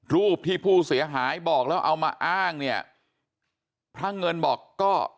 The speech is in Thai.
รูปที่ผู้เสียหายบอกแล้วเอามาอ้างเนี่ยพระเงินบอกก็